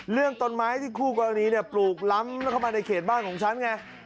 เรื่องต้นไม้ที่คู่กรณีปลูกล้ำเข้ามาในเขตบ้านของฉันไง